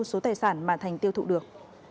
số tài sản mà thành tiêu thụ được